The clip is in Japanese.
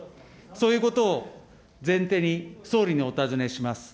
そういうことを前提に、総理にお尋ねします。